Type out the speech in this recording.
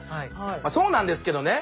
まそうなんですけどね。